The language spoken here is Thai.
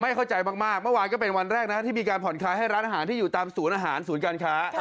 เข้าใจมากเมื่อวานก็เป็นวันแรกนะที่มีการผ่อนคลายให้ร้านอาหารที่อยู่ตามศูนย์อาหารศูนย์การค้า